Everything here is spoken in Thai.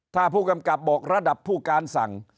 ถ้าผู้กำกับบอกระดับผู้การสั่ง